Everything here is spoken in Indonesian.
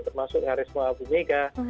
termasuk karisma abu mega